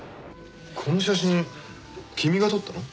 この写真君が撮ったの？